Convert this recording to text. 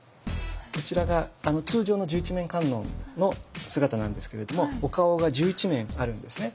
こちらが通常の十一面観音の姿なんですけれどもお顔が十一面あるんですね。